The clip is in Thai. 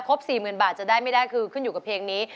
๔๐๐๐บาทจะได้ไม่ได้คือขึ้นอยู่กับเพลงนี้